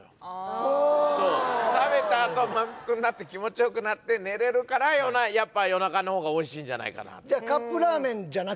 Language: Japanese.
ああっ食べたあと満腹になって気持ちよくなって寝れるからやっぱ夜中の方がおいしいんじゃないかなとじゃああっ